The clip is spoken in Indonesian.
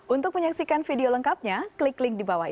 untuk menyaksikan video lengkapnya klik link di bawah ini